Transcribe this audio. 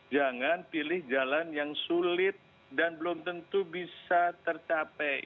jangan pilih jalan yang sulit dan belum tentu bisa tercapai